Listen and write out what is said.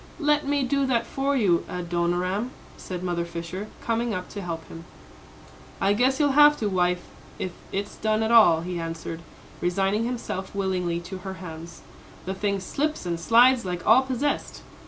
"Let me do that for you, Adoniram," said Mother Fisher, coming up to help him. "I guess you'll have to, wife, if it's done at all," he answered, resigning himself willingly to her hands; "the thing slips and slides like all possessed.